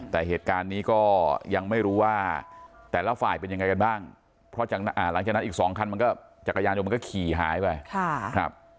แต่เหตุการณ์นี้ก็ยังไม่รู้ว่าแต่ละฝ่ายเป็นยังไงกันบ้างเพราะหลังจากนั้นอีกสองคันมันก็จักรยานยนต์มันก็ขี่หายไป